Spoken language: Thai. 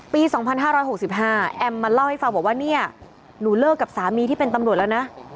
ปี๒๕๖๕แอมมาเล่าให้ฟังบอกว่าเนี่ยหนูเลิกกับสามีที่เป็นตำรวจแล้วนะ